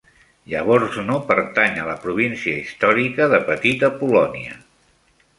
Jaworzno pertany a la província històrica de Petita Polònia.